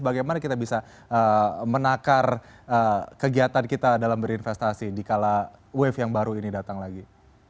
bagaimana kita bisa menakar kegiatan kita dalam berinvestasi di kala wave yang baru ini datang lagi